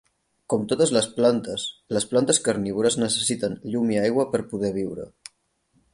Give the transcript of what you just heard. Com totes les plantes, les plantes carnívores necessiten llum i aigua per poder viure.